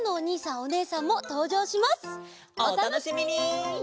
おたのしみに！